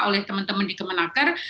oleh teman teman di kemenaker